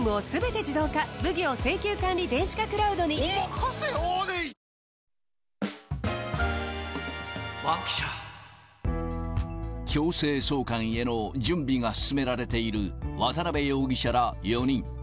コリャ強制送還への準備が進められている渡辺容疑者ら４人。